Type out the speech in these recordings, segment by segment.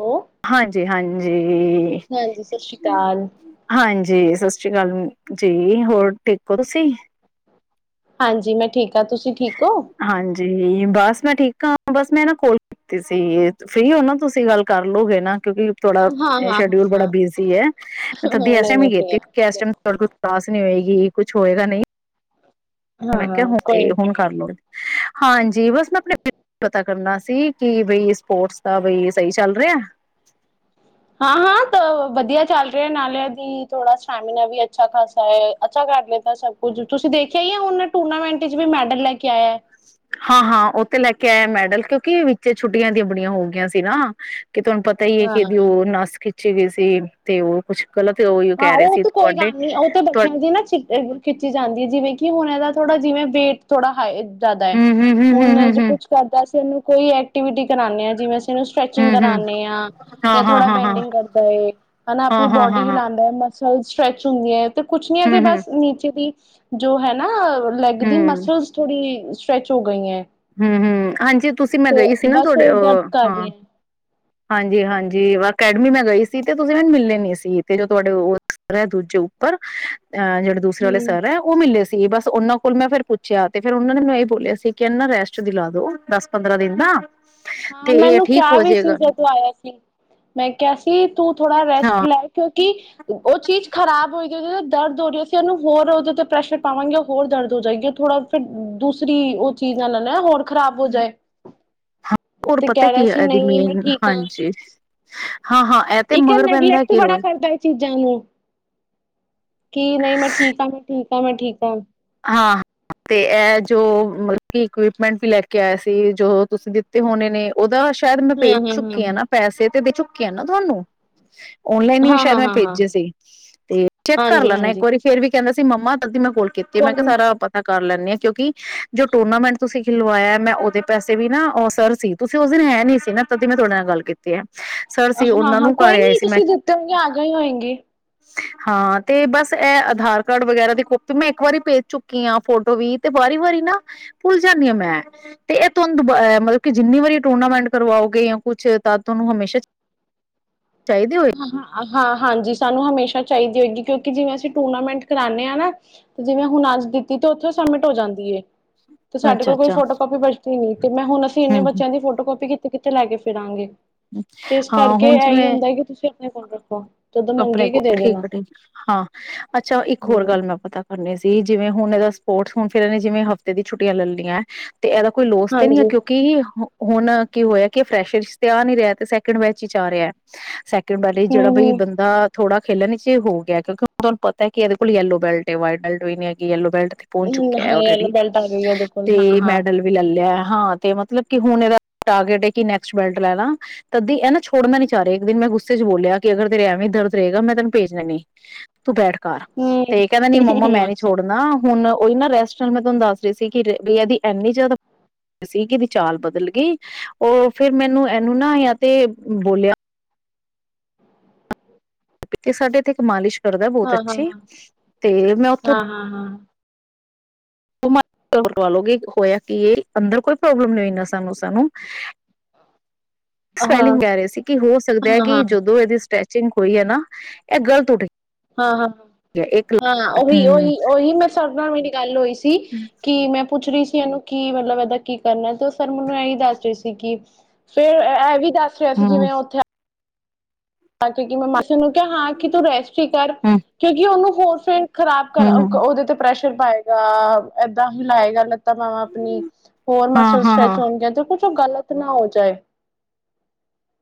Hello ਹਾਂਜੀ-ਹਾਂਜੀ ਹਾਂਜੀ ਸਤਿ ਸ਼੍ਰੀ ਜੀਜੀਜੀ ਅਕਾਲ ਹਾਂਜੀ ਸਤਿ ਸ਼੍ਰੀ ਅਕਾਲ। ਜੀ ਹੋਰ ਠੀਕ ਹੋ ਤੁਸੀਂ। ਹਾਂਜੀ ਮੈਂ‌‌ ਠੀਕ ਆ ਤੁਸੀਂ ਠੀਕ ਹੋ? ਹਾਂਜੀ ਬਸ ਮੈ ਠੀਕ ਆ ਬਸ ਮੈਂ ਨਾ ਕਾੱਲ ਕੀਤੀ ਸੀ ਫ੍ਰੀ ਹੋ ਨਾ ਤੁਸੀਂ ਗੱਲ ਕਰ ਲਓਗੇ ਨਾ ਕਿਉਂਕੀ ਤੁਹਾਡਾ ਹਾਂ ਹਾਂ ਹਾਂ ਸ਼ੈਡਿਊਲ ਬੜਾ ਹਾਂ ਬੀਸੀ ਹੈ। ਤਦੇ ਇਸ ਨਹੀਂ ਟਾਈਮ ਨਹੀਂ ਫ੍ਰੀ ਕੀਤੀ ਹਾਂ ਕਿਉਂਕਿ ਇਸ ਟਾਈਮ ਬੋਲੋ ਤੁਹਾਡੇ ਕੋਲ ਕਲਾਸ ਨੀ ਹੋਏਗੀ। ਕੀ ਕੁਝ ਹੋਏਗਾ ਨਹੀਂ ਮੈਂ ਕਿਹਾ ਹਾਂ ਹੁਣ ਤੇ ਕੋਈ ਨੀ ਹੁਣ ਕੋਈ ਕਰ ਨੀ ਲਓ ਹਾਂਜੀ ਬਸ ਮੈਂ ਆਪਣੇ ਪਤਾ ਕਰਨਾ ਸੀ ਕਿ ਬਈ ਸਪੋਰਟਸ ਦਾ ਬਈ ਸਹੀ ਚੱਲ ਰਿਹਾ ਹਾਂ- ਹਾਂ ਵਧੀਆ ਚੱਲ ਰਿਹਾ ਨਾਲੇ ਦੀ ਥੋੜਾ ਸੈਮੀਨਾਰ ਵੀ ਅੱਛਾ ਖਾਸਾ ਹੈ। ਅੱਛਾ ਕਰ ਲੇਣਦਾ ਸਭ ਕੁਝ ਤੁਸੀਂ ਦੇਖਿਆ ਹੀ ਆ ਹੁਣ ਟੂਰਨਾਮੈਂਟ ਚ ਵੀ ਮੈਡਲ ਲੈ ਕੇ ਆਇਆ। ਹਾਂ-ਹਾਂ ਉੱਹ ਤੇ ਲੈ ਕੇ ਆਇਆ ਮੈਡਲ ਕਿਉਂਕਿ ਵਿੱਚ ਛੁੱਟੀਆਂ ਦੀ ਬੁੜੀਆਂ ਹੋ ਗਈਆਂ ਸੀ ਨਾ ਕਿ ਤੁਹਾਨੂੰ ਪਤਾ ਹੀ ਹੈ ਕਿ ਹਾਂ ਜੋ ਨਾਸ ਤੇ ਅਸੀਂ ਤੇ ਉਹ ਕੁਛ ਗਲਤ ਉਹੀ ਹਾਂ ਕਹਿ ਰਹੇ ਉਹ ਸੀ ਤਾਂ ਕੋਈ ਤੁਹਾਡੇ ਗੱਲ ਨਹੀਂ ਉਹ ਤਾਂ ਤੁਹਾ ਬਚਿਆ ਦੀ ਨਾ ਚਿ ਖਿੱਚੀ ਜਾਂਦੀ ਹ ਜਿਵੇਂ ਕਿ ਹੁਣ ਇਹਦਾ ਥੋੜਾ ਜਿਵੇਂ ਬੇਸ ਥੋੜਾ ਹਾਏ ਜਿਆਦਾ ਹੂਣ ਐ, ਹੂੰ-ਹੂੰ-ਹੂੰ-ਹੂੰ-ਹੂੰ-ਹੂੰ ਉਹਨਾਂ ਜੀ ਕੁਝ ਕਰਦਾ ਐ ਤੈਨੂੰ ਕੋਈ ਐਕ ਐਕਟੀਵਿਟੀ ਕਰਾਨੇ ਆ ਜਿਵੇਂ ਅਸੀਂ ਇਹਨੂੰ ਸਟਰੈਚਿੰਗ ਹੂੰ-ਹੂੰ ਕਰਾਨੇ ਆਂ ਜਾਂ ਥੋੜਾ ਹਾਂ-ਹਾਂ-ਹਾਂ-ਹਾਂ ਬੈਂਡਿੰਗ ਕਰਦੇ ਹਨਾ ਆਪਣੀ ਬੋਡੀ ਹਾਂ-ਹਾਂ-ਹਾਂ-ਹਾਂ ਹਿਲਾੰਦ ਮਸਲ ਸਟਰ੍ਰੈਚ ਹੁੰਦੀਆਂ‌ ਕੁਛ ਨਹੀਂ ਅਜੇ ਹੂੰ-ਹੂੰ ਬਸ ਨੀਚੇ ਦੀ ਜੋ, ਹੈ, ਨਾ ਲੇਗ ਦੀ ਹੂੰ ਮਸਲ ਥੋਡੀ ਸੈਚੂ ਗਈ ਹ ਹੰ, ਹੰ, ਹਾਂਜੀ ਤੁਸੀਂ ਮੈਂ ਗਈ ਸੀ ਨਾ ਬਸ ਥੋਡੇ ਉਹ ਦਰਦ ਕਰ ਹਾਂ ਰਹੀ ਹੈ ਹਾਂਜੀ ਹਾਂਜੀ, ਵਾ ਅਕੈਡਮੀ ਮੈਂ ਗਈ ਸੀ ਤੇ ਤੁਸੀਂ ਮੈਨੂੰ ਮਿਲੇ ਨੀ ਸੀ, ਤੇ ਜੋ ਤੁਹਾਡੇ ਔ ਸਰ ਹੈ ਦੂਜੇ ਉੱਪਰ ਅਹ ਜੇੜੇ ਦੂਸਰੇ ਵਾਲੇ ਹਮ ਸਰ ਹੈ, ਓਹ ਮਿਲੇ ਸ ਬਸ ਔਨਾਂ ਕੋਲ ਮੈਂ ਫੇਰ ਪੁੱਛਿਆ, ਤੇ ਫੇਰ ਔਨਾਂ ਨੇ ਮੈਂਨੂੰ ਐ ਬੋਲਿਆ ਸੀ ਕਿ ਐਨੂ ਨਾ ਰੈਸਟ ਦੀ ਟ ਦਿਲਾ ਦੋ, ਦਸ ਪੰਦਰਾਂ ਦਿਨ ਦਾ। ਹਾਂ, ਮੈ ਤੇ ਐਨੂੰ ਕਿਆ ਠੀਕ ਹੋ ਵੀ ਸੀ ਜਾਏਗਾ ਜਦੋਂ ਆਯਾ ਸੀ, ਮੈਂ ਕਿਆ ਸੀ ਤੂੰ ਥੋੜਾ ਰੈਸਟ ਹਾਂ ਲੈ ਕਿਓ ਕਿ ਓਹ ਚੀਜ਼ ਖ਼ਰਾਬ ਹੋਏਗੀ ਓਦੇ, ਤੇ ਦਰਦ ਹੋ ਰੀ ਸੀ ਐਨੂੰ ਹੋਰ ਓਦੇ, ਤੇ ਪ੍ਰੈਸ਼ਰ ਪਾਵਾਂਗੇ ਔ ਹੋਰ ਦਰਦ ਹੋ ਜਾਏਗੀ ਔਰ ਥੋੜਾ ਫੇਰ ਦੂਸਰੀ ਓਹ ਚੀਜ਼ ਨਾਲ ਨ ਹੋਰ ਖ਼ਰਾਬ ਹੋ ਜਾਏ। ਹੋਰ ਤੇ ਪਤਾ ਕਹਿ ਰਿਹਾ ਕੀ ਐ ਸੀ ਐਦੀ ਨਹੀਂ ਮੈਂ ਠੀਕ ਹਾਂ ਮੇਨ--ਹਾਂਜੀ। ਇੱਕ ਨੇਗਲੈਕਟ ਬੜਾ ਰੋਜ਼ ਕਰਦਾ ਐ ਚੀਜ਼ਾਂ ਨੂੰ। ਕੀ ਨਹੀਂ, ਮੈਂ ਠੀਕ ਹਾਂ! ਮੈਂ ਠੀਕ ਹਾਂ, ਮੈਂ ਠੀਕ ਹਾਂ। ਹਾਂ, ਤੇ ਐ ਜੋ ਮਤਲਬ ਇਕਪਮੈਂਟ ਵੀ ਲੈ ਕੇ ਆਇਆ ਸੀ, ਜੋ ਤੁਸੀਂ ਦਿੱਤੇ ਹੋਣੇ ਨੇ ਔਦਾ ਸੈ਼ਦ ਮੈਂ ਪੇਜ ਹਾਂ ਹਾਂ ਚੁੱਕੀ ਆ ਨਾ ਪੈਸੇ। ਤੇ ਦੇ ਚੁੱਕੀ ਆ ਨਾ ਤੁਹਾਨੂੰ। ਓਨਲਾਈਨ ਹੀ ਹਾਂ ਹਾਂ ਸੈ਼ਦ ਹਾਂ ਹਾਂ ਮੈਂ ਹਾਂ ਹਾਂ ਭੇਜੇ ਸੀ, ਤੇ ਚੈੱਕ ਕਰ ਹਾਂਜੀ ਲੈਂਣਾ ਇੱਕ ਹਾਂਜੀ ਵਾਰੀ ਫੇਰ ਵੀ। ਕੈੰਦਾ ਸੀ, ਮੰਮਾ! ਤਦੀ ਮੈਂ ਕੋਲ ਤੇ ਮੈਂ ਕੋਈ ਕਿਆ ਨੀ ਸਾਰਾ ਪਤਾ ਕਰ ਲੈਂਣੇ ਆਂ, ਕਿਉਂਕਿ ਜੋ ਟੂਰਨਾਮੈਂਟ ਤੁਸੀਂ ਖਿਲੋ ਵਾਇਆ ਮੈਂ ਔਦੇ ਪੈਸੇ ਵੀ ਨਾ ਔ ਸਰ ਸੀ, ਤੁਸੀਂ ਉਸ ਦਿਨ ਹੈ ਨੀ ਸੀ ਨਾ, ਤਦੀ ਮੈਂ ਤੁਹਾਡੇ ਨਾਲ ਗੱਲ ਕੀਤੀ ਹੈ। ਸਰ ਸੀ ਹਾਂ, ਉਹਨਾਂ ਹਾਂ, ਨੂੰ ਘਰ ਕੋਈ ਆਏ ਨੀ ਸੀ ਮੈਂ ਤੁਸੀਂ ਦਿੱਤੇ ਹੋਏਗੇ ਆ ਗਏ ਹੋਂਗੇ। ਹਾਂ, ਤੇ ਬਸ! ਐ ਆਧਾਰ ਕਾਰਡ ਵਗੈਰਾ ਦੀ ਕਾਪੀ ਮੈਂ ਇੱਕ ਵਾਰੀ ਭੇਜ ਚੁੱਕੀ ਆਂ। ਫੋਟੋ ਵੀ, ਤੇ ਵਾਰੀ ਵਾਰੀ ਨਾ ਭੁੱਲ ਜਾਂਣੀ ਆਂ ਮੈਂ, ਤੇ ਐ ਤੁਵਾਨੁ ਦੁਬਾ ਅ ਮਤਲਬ ਕਿ ਜਿੰਨੀ ਵਾਰੀ ਐ ਟੂਰਨਾਮੈਂਟ ਕਰਵਾਓਗੇ ਯਾ ਕੁਛ ਤਾਂ ਤੁਵਾਨੂੰ ਹਮੇਸ਼ਾ ਚਾਹੀਦੇ ਹੋਏ ਹਾਂ, ਹਾਂਜੀ, ਸਾਨੂੰ ਹਮੇਸ਼ਾ ਚਾਹੀਦੀ ਹੋਏਗੀ ਕਿਉਂਕਿ ਜਿਵੇਂ ਅਸੀਂ ਟੂਰਨਾਮੈਂਟ ਕਰਾਂਨੇ ਆਂ, ਨਾ, ਤੇ ਜਿਵੇਂ ਹੁਣ ਅੱਜ ਦਿੱਤੀ ਤੇ ਔਥੇ ਸਬਮਿਟ ਹੋ ਜਾਂਦੀ ਏ। ਤੇ ਸਾਡੇ ਅੱਛਾ ਕੋਲ ਕੋਈ ਅੱਛਾ ਫੋਟੋ ਕਾਪੀ ਬਚਦੀ ਨੀ ਤੇ ਮੈਂ ਹੁਣ ਅਸੀਂ ਇੰਨੇ ਹਮ ਹਮ ਬੱਚਿਆਂ ਦੀ ਫੋਟੋ ਕਾਪੀ ਕੀਤ ਤੇ ਕਿੱਥੇ ਲੈ ਕੇ ਫਿਰਾਂਗੇ। ਤੇ ਇਸ ਕਰਕੇ ਐਹੀ ਹੁੰਦੈ ਕਿ ਤੁਸੀਂ ਆਪਣੇ ਕੋਲ ਆ ਰੱਖੋ ਜਦੋਂ ਅਪਣੇ ਮੰਗੇਗੀ ਕੋਲ ਦੇ ਠੀਕ ਦੇਣਾ ਹੈ ਠੀਕ ਹੈ। ਹਾਂ, ਅੱਛਾ ਇੱਕ ਹੋਰ ਹੂੰ ਗੱਲ ਮੈਂ ਪਤਾ ਕਰਨੀ ਸੀ ਜਿਵੇਂ ਹੁਣ ਐਦਾ ਸਪੋਰਟਸ ਹੁਣ ਫੇਰ ਐਨੇ ਜਿਵੇਂ ਹਫ਼ਤੇ ਦੀ ਛੁੱਟਿਆਂ ਲੈ ਲਈਐਂ ਤੇ ਐਦਾ ਕੋਈ ਲੋਸ ਤੇ ਨੀ ਐ, ਹਾਂਜੀ ਕਿਉਂਕਿ ਹੁਣ ਕੀ ਹੋਯੈ ਕਿ ਫਰੈਸ਼ਰ ਤੇ ਆ ਨੀ ਰਿਆ ਐ ਤੇ ਸੈਕਿੰਡ ਬੈਚ ਇਚ ਆ ਰਿਐ। ਬਾਰੇ ਜਿਹੜਾ ਬਈ ਹੂੰ-ਹੂੰ ਬੰਦਾ ਥੋੜਾ ਖੇਲਣ ਚ ਹੋ ਗਿਐ, ਕਿਉਂਕਿ ਹੁਣ ਤੁਹਾਨੂੰ ਪਤੈ ਕਿ ਐਦੇ ਕੋਲੋ ਯੈਲੋ ਬੈਲੱਟ ਏ ਵਾਈਟ ਬੈਲੱਟ ਵੀ ਨੀ ਹੈ। ਯੈਲੋ ਬੈਲਟ ਤੇ ਪੋਚ ਚੁੱਕਿਐ ਹਾਂ ਯੈਲੋ ਔਲਰੇਡੀ ਬੈਲਟ ਆ ਗਈ ਇਹਦੇ ਕੋਲ ਤੇ ਹਾਂ-ਹਾਂ ਮੈਡਲ ਵੀ ਲੈ ਲਿਐ। ਹਾਂ ਤੇ ਮਤਲਬ ਕਿ ਹੁਣ ਇਹਦਾ ਟਾਰਗੇਟ ਹੈ ਕਿ ਨੈਕਸਟ ਬੈਲਟ ਲੈਣਾ, ਤਦੀ ਇਹ ਨਾ ਛੋੜਨਾ ਨੀ ਚਾਹ ਰਿਹਾ ਇੱਕ ਦਿਨ ਮੈਂ ਗੁੱਸ ਚ ਬੋਲਿਆ ਕਿ ਅਗਰ ਤੇਰੇ ਐਵੇਂ ਦਰਦ ਰਹੇਗਾ ਮੈਂ ਤੈਨੂੰ ਭੇਜਣਾ ਈ ਨੀ ਤੂ ਬੈਠ। ਘਰ ਹੂੰ ਤੇ ਕਹਿੰਦਾ ਨੀ ਮੰਮਾ ਮੈਂ ਨੀ ਅੱਛਾ ਛੋੜਨਾ ਹੁਣ ਓਹੀ ਨਾ ਰੈਸਟ ਮੈਂ ਤੁਹਾਨੂੰ ਦੱਸ ਰਹੀ ਸੀ ਕਿ ਬਈ ਇਹਦੀ ਇੰਨੀ ਜ਼ਿਆਦਾ ਸੀ ਕਿ ਇਹਦੀ ਚਾਲ ਬਦਲ ਗਈ ਉਹ ਫੇਿਰ ਮੈਨੂੰ ਇਹਨੂੰ ਨਾ ਯਾ ਤੇ ਬੋਲਿਆ ਸਾਡੇ ਇੱਥੇ ਇੱਕ ਮਾਲਿਸ਼ ਕਰਦਾ ਏ ਬਹੁਤ ਅੱਛੀ ਹਾਂ-ਹਾਂ-ਹਾਂ ਤੇ ਮੈਂ ਉੱਥੋਂ ਹਾਂ-ਹਾਂ-ਹਾਂ ਵਾ ਲਓਗੇ ਹੋਇਆ ਕੀ ਏ ਅੰਦਰ ਕੋਈ ਪ੍ਰੋਬਲਮ ਨਹੀਂ ਹੋਈ ਨਸਾਂ ਨੁਸਾਂ ਨੂੰ। ਹਾਂ ਸਵੈਲਿੰਗ ਕਹਿ ਰਹੇ ਸੀ ਕਿ ਹੋ ਸਕਦਾ ਹੈ ਕਿ ਹਾਂ-ਹਾਂ ਜਦੋਂ ਇਹਦੀ ਸਟੈਚ ਕੋਈ ਹੈ ਨਾ ਇਹ ਗਲਤ ਉਠ ਹਾਂ ਹਾਂ ਹਾਂ ਉਹੀ ਹਮ ਉਹੀ ਉਹੀ ਮੈਂ ਸ ਮੇਰੀ ਗੱਲ ਹੋਈ ਸੀ। ਸੀ ਕਿ ਮੈਂ ਪੁੱਛ ਰਹੀ ਸੀ ਇਹਨੂੰ ਕੀ ਮਤਲਬ ਇਹਦਾ ਕੀ ਕਰਨਾ ਐ ਤੇ ਉਹ ਸਰ ਮੈਨੂੰ ਇਹੀ ਦੱਸ ਰਹੇ ਸੀ ਕਿ ਫੇਰ ਇਹ ਵੀ ਦੱਸ ਰਿਹਾ ਸੀ ਹੂੰ, ਜਿਵੇਂ ਉੱਥੇ ਤਾਂ ਕਿਉਂਕਿ ਮੈਂ ਮ ਕਿਹਾ ਹਾਂ ਕਿ ਤੂੰ ਰੈਸਟ ਹੀ ਕਰ ਹੂੰ, ਕਿਉਂਕਿ ਉਹਨੂੰ ਹੋਰ ਫੇਰ। ਖਰਾਬ ਕਰ ਓ ਕ ਹੂੰ। ਉਹਦੇ ਤੇ ਪ੍ਰੈਸ਼ਰ ਫਿਰ ਪਾਏਗਾ ਏਦਾਂ ਹੀ ਲਾਏਗਾ ਲ ਤਾ ਬਾਵਾਂ ਆਪਣੀ ਹੋਰ ਹਾਂ, ਮਸਲਸ ਹਾਂ, ਸਟੈਚ ਹਾਂ, ਹੋਣਗੀਆਂ ਤੇ ਕੁਛ ਗ਼ਲਤ ਨਾ ਹੋ ਜਾਏ।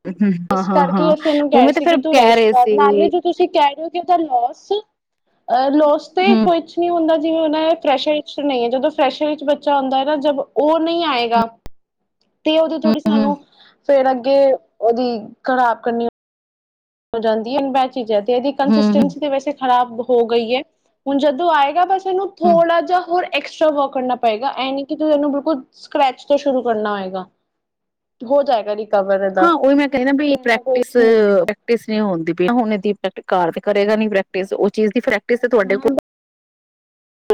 ਹਮ ਹਾਂ ਇਸ ਹਾਂ ਕਰਕੇ ਹਾਂ। ਅਸੀਂ ਇਹਨੂੰ ਕਹਿ ਰਹੀ ਉਵੇਂ ਤੇ ਸੀ ਫੇਰ ਕਿ ਤੂੰ ਕਹਿ ਰੈਸਟ ਰਹੇ ਕਰ ਸੀ ਨਾਲੇ ਜੋ ਤੁਸੀਂ ਕਹਿ ਰੇ ਕਿਦਾ ਲੋਸ। ਅਹ ਲੋਸ ਤੇ ਹੂੰ, ਕੁਛ ਨਹੀਂ ਹੁੰਦਾ ਜਿਵੇਂ ਹੁਨ ਫਰੈਸ਼ਰ ਵਿੱਚ ਨਹੀਂ ਹੈ ਜਦੋਂ ਫਰੈਸ਼ਰ ਵਿੱਚ ਬੱਚਾ ਆਉਂਦਾ ਹੈ ਨਾ ਜਬ ਉਹ ਨਹੀਂ ਆਏਗਾ। ਤੇ ਓਦੋ ਹੂੰ, ਥੋੜੀ ਹੂੰ, ਸਾਨੂੰ ਫੇਰ ਅੱਗੇ ਉਹਦੀ ਖਰਾਬ ਕਰਨੀ ਹੋ ਜਾਂਦੀ ਹਨ ਬੈ ਤੀਜ਼ਾਂ ਤੇ ਇਹਦੀ ਹੂੰ, ਕੰਸਿਸਟੈਂਸੀ ਤੇ ਵੈਸੇ ਖਰਾਬ ਹੋ ਗਈ ਏ ਹੁਨ ਜਦੋਂ ਆਏਗਾ ਬਸ ਏਨੂੰ ਹੂੰ। ਥੋੜਾਣ ਜਾ ਹੋਰ ਐਕਸਟਰਾ ਵਰਕ ਕਰਨਾ ਪਏਗਾ ਇਹ ਨੀ ਕਿ ਤੂ ਇਹਨੂੰ ਬਿਲਕੁਲ ਸਕ੍ਰੈਚ ਤੋਂ ਸ਼ੁਰੂ ਕਰਨਾ ਅਏਗਾ। ਹੋ ਜਾਏਗਾ। ਰਿਕਵਰ ਇਹਦਾ ਹਾਂ ਉਹੀ ਮੈਂ ਕਹਿਨਾ ਬਈ ਤੇ ਇਨਾ ਕੋਈ ਪ੍ਰੈਕਟਿਸ ਨਹੀਂ ਪ੍ਰੈਕਟਿਸ ਨੀਹੁਣਦੀ ਪ ਹੁ ਨੀ ਪ੍ਰੈਕਟਿਸ ਉਹ ਚੀਜ਼ ਦੀ ਪ੍ਰੈਕਟਿਸ ਦੀ ਹੈ ਤੁਹਾਡੇ ਕੋਲ ਹਾਂ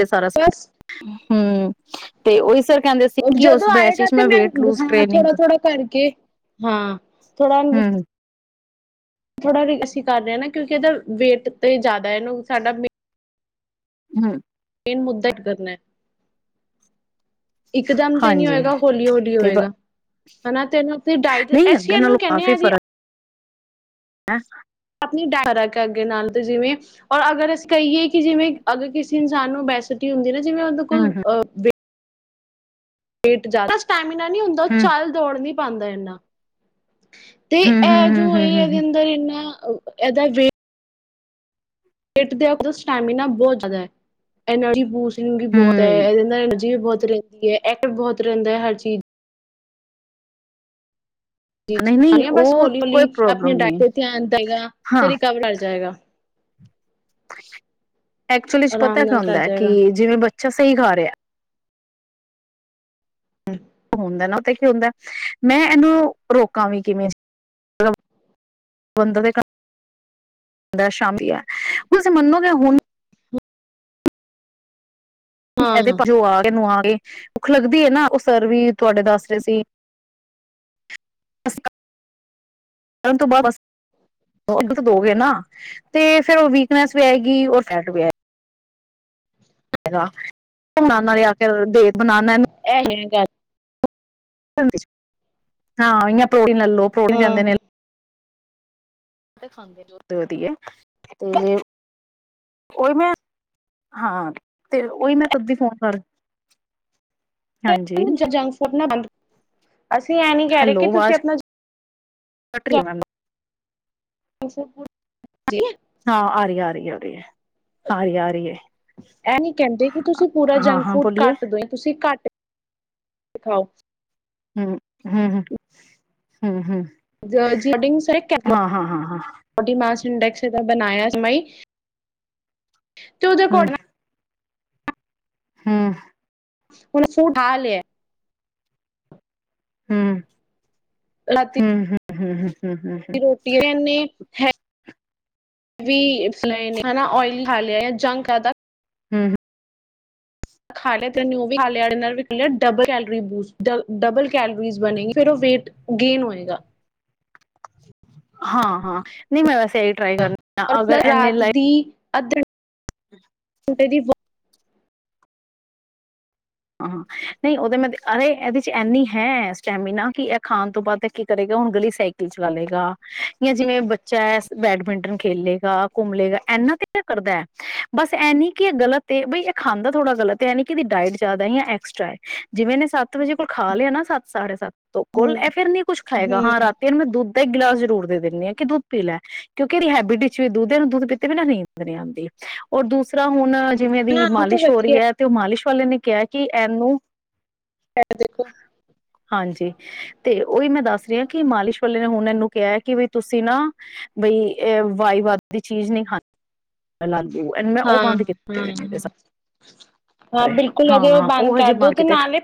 ਏਹ ਸਾਰਾ ਬਸ ਹਮ ਤੇ ਉਹੀ ਸਿਰ ਜਦੋ ਆਏਗਾ ਤੇ ਮੈਂ ਹਾਂ ਟ੍ਰੇਨਿੰਗ ਥੋੜਾ ਥੋੜਾ ਕਰਕੇ ਹਾਂ ਥੋੜਾ ਹੂੰ, ਥੋੜਾ ਵੀ ਅਸੀ ਕਰ ਰਹੇ ਹਾਂ ਨਾ ਕਿਉਂਕਿ ਇਹਦਾ ਵੇਟ ਤੇ ਜ਼ਾਦਾ ਇਹਨੂੰ ਸਾਡਾ ਮੇ ਹਮ ਮੇਨ ਮੁੱਦਾ ਕਰਨਾ [inaudible] ਇਕ ਦਮ ਤੇ ਨਹੀਂ ਹਾਂਜੀ ਹੋਏਗਾ ਹੌਲੀ ਹੌਲੀ ਤੇ ਬ- ਹੋਏਗਾ ਹਨਾ ਤੇ ਇਹਨਾਂ ਤੇ ਡਾਇਟ ਨਹੀਂ ਅਸੀਂ ਅੱਗੇ ਇਹਨੂੰ ਕਹਿੰਦੇ ਹਾਂ ਜ ਹੈ ਅੱਗੇ ਨਾਲ ਤ ਜਿਵੇਂ ਔਰ ਅਗਰ ਅਸੀਂ ਕਹੀਏ ਕਿ ਜਿਵੇਂ ਅਗਰ ਕਿਸੇ ਇਨਸਾਨ ਨੂੰ ਬੈਸਟੀ ਹੁੰਦੀ ਹੈ ਨਾ ਜਿਵੇਂ ਉਹਦੇ ਹੂੰ, ਅਕੋਲ ਹੂੰ, ਅਹ ਵੇਟ ਜਾਦਾ [inaudible] ੲਨਾ ਨੀ ਹੁੰਦਾ ਉਹ ਹੂੰ, ਚੱਲ ਦੌੜਨੀ ਪਾਂਦਾ ਇੰਨਾ ਤੇ ਹੂੰ, ਹੂੰ, ਇਹ ਹੂੰ, ਜੋ ਇਹ ਹੂੰ, ਏਹਦੇ ਹੂੰ। ਅੰਦਰ ਇੰਨਾ ਇਹਦਾ ਵੇਟ [inaudible] ਪਿੱਟ ਦੇ ਸਟੈਮੀਨਾ ਬਹੁਤ ਜ਼ਿਆਦਾ ਹੈ ਐਨਰਜੀ ਬੂਸਟ ਬਹੁਤ ਹੂੰ। [inaudible] ਬਹੁਤ ਰਏਦੀ ਹੈ ਐਕਟ ਬਹੁਤ ਰਹਿੰਦਾ ਹੈ ਹਰ ਚੀਜ਼ ਨਹੀਂ ਨਹੀਂ ਬਸ ਉਹ ਹੌਲੀ ਕੋਈ ਹੌਲੀ ਅਪਨੀ ਪ੍ਰੋਬਲਮ ਡਾਇਟ ਨਹੀਂ ਤੇ ਧਿਆਨ ਦੇਏਗਾ ਤਰਿਕਾ ਵੀ ਰਾਲ ਜਾਏਗਾ ਬ [inaudible] ਐਕਚੁਲੀ ਚ ਆਰਾਮ ਪਤਾ ਕੲਆ ਨਾਲ ਕਰ ਹੁੰਦਾ ਹੈ ਕਿ ਜਾਏਗਾ ਜਿਵੇਂ ਬੱਚਾ ਸਹੀ ਖਾ ਰਿਹਾ ਹਮ [unintelligible] ਹੁੰਦਾ ਨਾ ਉ ਤੇ ਕੀ ਹੁੰਦਾ ਮੈਂ ਇਹਨੂੰ ਰੋਕਾਂ ਵੀ ਕਿਵੇਂ ਮਤਲਬ ਬੰਦਾ [unintelligible] ਸ਼ਾਮ ਆ ਤੁਸੀ ਮੰਨੋਗੇ ਹੁਣ ਇਹਦੇ ਹਾਂ [unintelligible] ਆ ਭੁੱਖ ਲੱਗਦੀ ਏ ਨਾ ਉਹ ਸਰ ਵੀ ਤੁਹਾਡੇ ਦੱਸ ਰਹੇ ਸੀ ਅਸੀਂ ਕਰਨ ਤੋਂ ਬਾਅਦ ਬਸ ਦੋਗੇ ਨਾ ਤੇ ਫਿਰ ਉਹ ਵੀਕਨੈਸ ਵੀ ਆਏਗੀ ਉਹ ਫੈਟ ਵੀ ਆਏਗੀ ਘੁੰਮਣ ਨਾਲ ਆ ਕੇ ਦੇ ਬਣਾਨਾ ਇਹ ਹੇ ਗੱਲ ਹਾਂ ਪ੍ਰੋਟੀਨ ੋ ਪ੍ਰੇਟੀਨ ਕਹਿੰਦੇ ਨੇ ਹਮ ਾਂ ਵਧੀਐ ਤੇ ਓਹੀ ਮੈਂ ਹਾਂ ਤੇ ਉਹੀ ਮੈਂ ਤਦੀ ਫੋਨ ਕਰ ਹਾਂਜੀ ਜੰਕ ਫੂਡ ਨਾ ਬੰਦ ਅਸੀਂ ਇਹ ਨੀ ਕਹਿ ਰਹੇ ਕਿ ਤੁਸੀਂ ਆਪਣਾ ਕਟਰੀ [unintelligible] ਅਛਾ [unintelligible] [inaudible] ਹਾਂ ਆ ਰਹੀ ਆ ਰਹੀ ਆ ਰਹੀ ਹੈ ਆ ਰਹੀ ਆ ਰਹੀ ਹੈ ਇਹ ਨੀ ਕਹਿੰਦੇ ਕਿ ਤੁਸੀਂ ਪੂਰਾ ਹਾਂ ਜੰਕ ਹਾਂ ਫੂਡ ਬੋਲੀਏ ਘੱਟ ਦੋ ਤੁਸੀਂ ਘੱਟ ਸਿਖਾਓ ਹਮ ਹਮ ਹਮ ਹਮ ਹਮ ਸ ਮ ਹਾਂ ਹਾਂ [unintelligible] [inaudible] ਇੰਡੈਕਸ ਦਾ ਬਣਾਇਆ ਮਈ ਜੋ ਦੋ ਕੋਟਨਾ ਹਮ ਉਹਨੇ ਸੂ ਠਾਹ ਲਿਆ ਹਮ ਹਮ ਹਮ ਹਮ ਹਮ ਰੋਟੀੇ ਹੈ ਔਇਲੀ ਖਾ ਲਿਆ ਜੰਕ ਆਦਾ ਹਮ ਖਾ ਲਿਆ ਤੇੈ ਉਹ ਵੀ ਖਾ ਲਿਆ ਏਦੇ ਨਾਲ ਲਿਆ ਡਬਲ ਕਲੋਰੀ ਬੂਸ ਡਬਲ ਕੈਲੋਰੀ ਬਣੇਗੀ ਫਿਰ ਉਹ ਵੇਟ ਗੇਨ ਹੋਏਗਾ ਹਾਂ ਹਾਂ ਨਹੀ ਮੈਂ ਵੈਸ ਸਹੀ ਟਰਾਈ ਕਰਨੀ ਹ ਅਗਰ ਐਨੇ ਲਈ ਅੱਧ ੇ ਦੀ ਹਾਂ ਨਹੀਂ ਉਹਦੇ ਮੈਂ ਅ ਇਹਦੇ ਚ ਇੰਨੀ ਹੈ ਸਟੈਮੀਨਾ ਕਿ ਖਾਣ ਤੋਂ ਬਾਅਦ ਕੀ ਕਰੇਗਾ ਹੁਣ ਗਲੀ ਸਾਈਕਲ ਚਲਾ ਲਏਗਾ ਜਾਂ ਜਿਵੇਂ ਬਚ ਚਾਏ ਏਸ ਬੈਡਮਿੰਟਨ ਖੇਲੇਗਾ ਘੁੰਮਲੇਗਾ ਇੰਨਾ ਕਿਥੇ ਕਰਦਾ ਐ। ਬਸ ਐ ਨੀਂ ਕਿ ਗਲਤ ਏ ਬਈ ਇਹ ਖਾਂਦਾ ਥੋੜਾ ਗਲਤ ਐਨੀਂ ਕਿ ਜ਼ਿਆਦਾ ਹੀ ਐਕਸਟਰਾ ਐ ਜਿਵੇਂ ਏਨੇਂ ਸੱਤ ਵਜੇ ਕੋਲ ਖਾ ਲਿਆ ਨਾ ਸੱਤ ਸਾਢੇ ਸੱਤ ਤੋਂ ਹੂੰ ਕੋਲ ਇਹ ਫਿਰ ਨੀ ਕੁਝ ਖਾਏਗਾ ਹੂੰ ਹਾਂ, ਰਾਤੀ ਉਹ ਨੂੰ ਮੈਂ ਦੁੱਧ ਇੱਕ ਗਿਲਾਸ ਜ਼ਰੂਰ ਦੇ ਦਿੰਦੀ ਆਂ ਕਿ ਦੁੱਧ ਪੀ ਲੈ, ਕਿਉਂਕਿ ਇਹਦੀ ਹੈਬਿਟ ਵਿੱਚ ਵੀ ਦੁੱਧ ਇਹਨੂੰ ਦੁੱਧ ਪੀਤੇ ਬਿਨਾਂ ਨੀਂਦ ਨੀਂ ਆਂਦੀ ਔਰ ਦੂਸ ਤਰ੍ਹਾਂ ਹੁਣ ਜਿਵੇਂ ਦੀ ਹਾਂ ਉਹ ਤਾਂ ਮਾਲਿਸ਼ ਹੋ ਰਹੀ ਵਧੀਆ ਐ ਤੇ ਉਹ ਮਾਲਿਸ਼ ਪਾਲੇ ਨੀਂ ਕਿਆ ਕਿ ਇਹਨੂੰ ਦੇਖੋ ਹਾਂਜੀ ਤੇ ਉਹੀ ਮੈਂ ਦੱਸ ਦੱਸ ਰਏ ਕਿ ਮਾਲਿਸ਼ ਵਾਲੇ ਨੇ ਹੁਣ ਇਹਨੂੰ ਕਿਹਾ ਕਿ ਬਈ ਤੁਸੀਂ ਨਾ ਬਈ ਏ ਵਾਈ ਵਦ ਦੀ ਚੀਜ਼ ਨਹੀਂ ਖਾਣੀ ਲਾਲੂ ਮੈਂ ਉਹ ਹਾਂ ਬੰਦ ਕੀਤੇ ਹਾਂ ਹੋਏ ਨੇ ਹਾਂ ਸਾਰੇ ਬਿਲਕੁਲ ਅਦੇ ਉਹ ਬੰਦ ਕਰਦੋ ਤੇ ਨਾਲੇ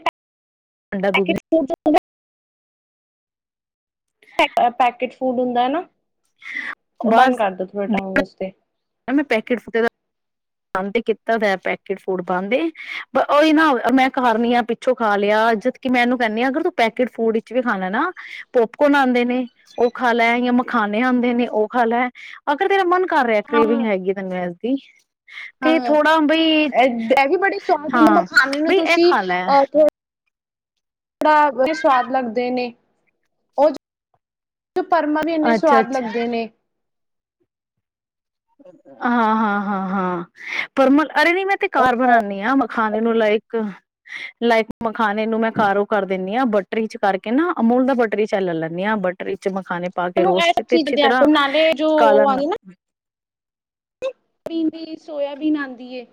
ਅਠੰਡਾ ਦੁੱਧ ਨੀਂ [unintelligible] ਪੈ ਪੈਕੇਟ ਫੂਡ ਹੁੰਦਾ ਐਨਾਂ ਉਹ ਬੰਦ ਬਸ ਕਰਦੋ ਥੋੜੇ ਟਾਈਮ ਵਾਸਤੇ ਮੈਂ ਪੈਕੇਟ ਫੁਟੇ ਦਾ ਬੰਦ ਕੀਤਾ ਦਾ ਪੈਕਟ ਫੂਡ ਬੰਦ ਏ ਉਈ ਨਾਂ ਮੈਂ ਕਰਣੀ ਆਂ ਪਿੱਛੋਂ ਖਾ ਲਿਆ ਜਦਕਿ ਮੈਂ ਇਹਨੂੰ ਕਹਿੰਣੀ ਆਂ ਅਗਰ ਤੂੰ ਪੈਕੇਟ ਫੂਡ ਵਿੱਚ ਵੀ ਖਾਨਾ ਨਾਂ ਪੋਪਕੋਰਨ ਆਂਦੇ ਨੇ, ਉਹ ਖਾ ਲੈ ਜਾਂ ਮਖਾਨੇ ਆਂਦੇ ਨੇ ਉਹ ਖਾ ਲੈ ਅਗਰ ਤੇਰਾ ਮਨ ਕਰ ਰਿਐ ਹਾਂ ਕਰੇਵਿੰਗ ਹੈਗੀ ਤੈਨੂੰ ਏ ਕੀ? ਹਾਂ ਇਹ ਵੀ ਬੜੇ ਸਵਾਦ ਹੁੰਦੇ ਹਾਂ ਮਖਾਨਣੇ ਨੂੰ ਬਈ ਇਹ ਤੁਸੀਂ ਖਾ ਲੈ ਅ ਬੜਾ ਬ ਸਵਾਦ ਲੱਗਦੇ ਨੇ ਉਹ ਪਰਮਾ ਵੀ ਇੰਨੇ ਅੱਛਾ ਸਵਾਦ ਅੱਛਾ ਲੱਗਦੇ ਨੇ ਹਾਂ ਹਾਂ ਹਾਂ ਹਾਂ ਪਰ ਮ ਅਰੇ ਨੀ ਮੈਂ ਤੇ ਕਾਰ ਉਹ ਬਣਾਣੀ ਆਂ ਮ ਖਾਣੇ ਨੂੰ ਲਾਈਕ ਲਾਈਕ ਮ ਖਾਣੇੇ ਨੂੰ ਮੈਂ ਕਾਰੋ ਕਰ ਦਿੰਦੀ ਆਂ ਬ ਬਟਰੀ ਚ ਕਰਕੇ ਨਾ ਅਮੂਲ ਦਾ ਬਟਰੀ ਚਾਏ ਲੈਲੈਂਣੀ ਆਂ ਬਟਰੀ ਚ ਮ ਖਾਣੇ ਪਾ ਕੇ ਤੁਹਾਨੂੰ ਇਹ ਰੋਸਟ ਸਭ ਕਿਤੇ ਚੀਜ਼ਾਂ ਅੱਛੀ ਦਿਆ ਤਰ੍ਹਾਂ ਕਰੋ ਨਾਲੇ ਜੋ ਕਾਲਾ ਨਮਕ ਪੀਂਦੀ ਸੋਇਆਬੀਨ ਆਂਦੀ ਐ।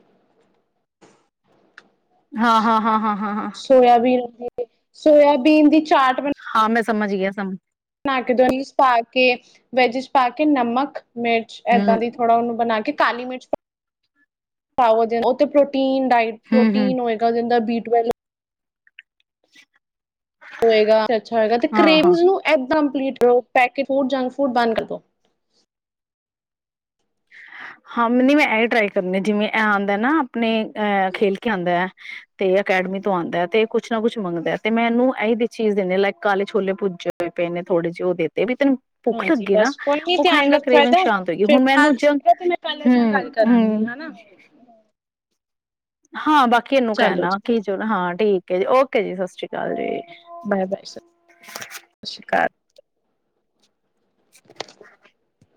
ਹਾਂ ਹਾਂ ਹਾਂ ਹਾਂ ਹਾਂ ਹਾਂ। ਸੋਇਆਬੀਨ ਆਂਦੀ ਸੋਇਆਬੀਨ ਦੀ ਚਾਟ ਹਾਂ ਮੈਂ ਸਮਝ ਗਿਆ ਸਾਨੂੰ ਬਣਾ ਕੇ ਦੋਨੀ ਪਾ ਕੇ ਵੈਜ ਚ ਪਾ ਕੇ ਨਮਕ ਮਿਰਚ ਹਮ ਏਦਾਂ ਦੀ ਥੋੜਾ ਉਹਨੂੰ ਬਣਾ ਕੇ ਕਾਲੀ ਮਿਰਚ ਉਹ ਤੇ ਪ੍ਰੋਟੀਨ ਡਾਇਟ ਹਮ ਹਮ ਪ੍ਰੋਟੀਨ ਹੋਏਗਾ ਜਦਾ ਬੀ [inaudible] [unintelligible] ਹੋਏਗਾਾ ਅੱਛਾ ਹੋਏਗਾ ਤੇ ਹਾਂ ਹਾਂ ਕੇਮਜ਼ ਨੂੰ ਇਦਮ [inaudible] ਪੈਕੇਟ ਹੋ ਜੰਕ ਫੂਡ ਬੰਦ ਕਰ ਦਿ ਹਾਂ ਮੈ ਮੈਂ ਇਹ ਟ੍ਰਈ ਕਰਨੀ ਜਿਵੇਂ ਇਹ ਆਂਦਾ ਨਾ ਆਪਣੇ ਅ ਖੇਲ ਕੇ ਆਂਦਾ ਤੇ ਅਕੈਡਮੀ ਤੋਂ ਆਉਂਦਾ ਹੈ ਤੇ ਕੁਛ ਨਾ ਕੁਛ ਮੰਗਦਾ ਹੈ ਤੇ ਮੈਂ ਇਹਨੂੰ ਇਹੀ ਚੀਜ਼ ਦੇ ਲਾਇਕ ਕਾਲੇ ਛੋਲੇ ਭੁੱਜੇ ਹੋਏ ਪਏ ਨੇ ਥੋੜੇ ਜਿਹੇ ਉਹ ਵੀ ਤੈਨੂੰ ਭੁੱਖ ਹਾਂਜੀ ਲੱਗੇ ਨਾ ਬਸ ਕੋਈ ਨੀ ਉਹ ਖਾਏਗਾ ਕਰੇਵੰਗ ਸ਼ਾਂਤ ਹੋਏਗੀ ਹੁਣ ਮੈਨੂੰ ਠੀਕ ਤੇ ਮੈਂ ਕੱਲ ਇਹਦੇ ਨਾਲ ਹਮ ਗੱਲ ਕਰਾਂਗੀ ਹਮ ਹਨਾ ਹਾਂ ਬਾ ਕਿਨੂੰ ਚਲੋ ਕਹਿਣਾ ਜੀ ਕੀ ਚ ਹਾਂ ਠੀਕ ਹੈ ਜੀ ਓਕੇ ਜੀ ਸਤਿ ਸ਼੍ਰੀ ਅਕਾਲ ਜੀ ਬਾਏ ਬਾਏ ਸ ਸਤਿ ਸ਼੍ਰੀ ਅਕਾਲ [unintelligible]